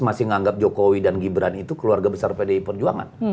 masih menganggap jokowi dan gibran itu keluarga besar pdi perjuangan